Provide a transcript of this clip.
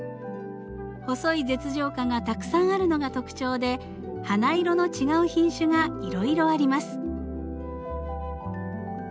細い舌状花がたくさんあるのが特徴で花色の違う品種がいろいろあります。